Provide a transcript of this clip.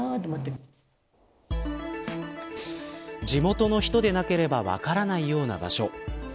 地元の人でなければ分からないような場所。